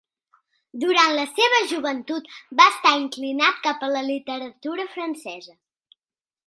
Durant la seva joventut va estar inclinat cap a la literatura francesa.